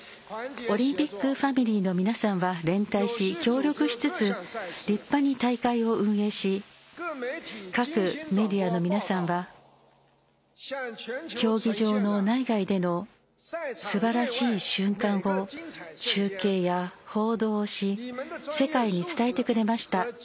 オリンピックファミリーの皆さんは連帯し、協力しつつ立派に大会を運営し各メディアの皆さんは競技場の内外でのすばらしい瞬間を中継や報道し世界に伝えてくれました。